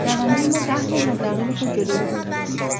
دوندهی ما ده متر از رقیب خود جلو بود.